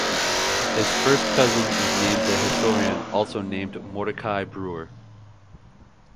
His first cousin was the historian also named Mordechai Breuer.